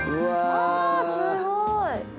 あすごい！